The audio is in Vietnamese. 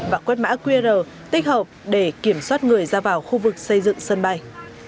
và quét mã qr tích hợp để kiểm soát người ra vào khu vực xây dựng sân bay